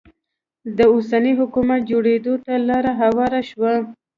د اوسني حکومت جوړېدو ته لاره هواره شوه.